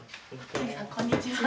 こんにちは。